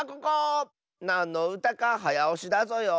なんのうたかはやおしだぞよ。